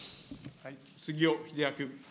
杉尾秀哉君。